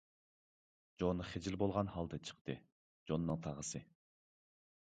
جون خىجىل بولغان ھالدا چىقتى، جوننىڭ تاغىسى.